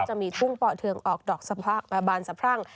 จะมีทุ่งป่อเทืองออกดอกสะพะบานสะพรั่ง